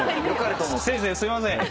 先生すいません！